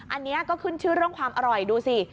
อันนี้ก็ขึ้นชื่อเรื่องความอร่อยดูสิ